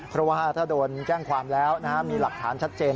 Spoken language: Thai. เพราะว่าถ้าโดนแจ้งความแล้วมีหลักฐานชัดเจน